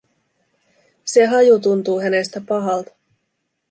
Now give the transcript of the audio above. Se haju tuntuu hänestä pahalta.